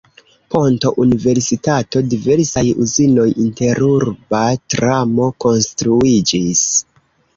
Ponto, universitato, diversaj uzinoj, interurba tramo konstruiĝis.